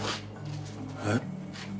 えっ？